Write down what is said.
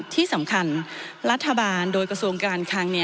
ที่สำคัญรัฐบาลโดยกระทรวงกลางกลางนี้